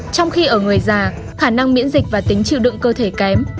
trong khi ở người già khả năng miễn dịch và tính chịu đựng cơ thể kém